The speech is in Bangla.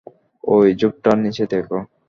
ওই ঝোপটার নিচে দেখ।